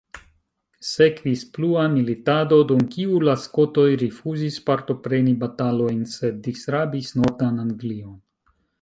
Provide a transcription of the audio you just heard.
Sekvis plua militado, dum kiu la skotoj rifuzis partopreni batalojn, sed disrabis nordan Anglion.